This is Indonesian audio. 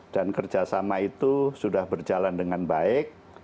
dan kerjasama itu sudah berjalan dengan baik